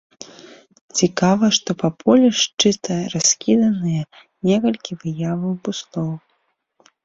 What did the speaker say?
Цікава, што па полі шчыта раскіданыя некалькі выяваў буслоў.